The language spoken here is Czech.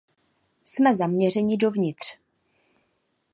Jsme zaměřeni dovnitř.